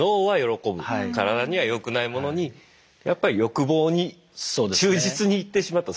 体には良くないものにやっぱり欲望に忠実にいってしまった。